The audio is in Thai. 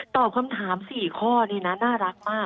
ตอบคำถาม๔ข้อนี้นะน่ารักมาก